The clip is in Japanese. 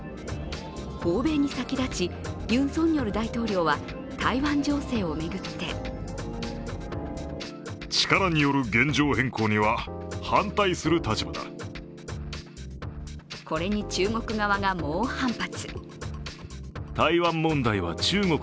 訪米に先立ちユン・ソンニョル大統領は台湾情勢を巡ってこれに中国側が猛反発。